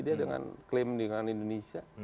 dia dengan klaim dengan indonesia